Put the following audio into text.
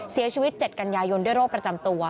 เสียชีวิต๗กันยายนด้วยโรคประจำตัว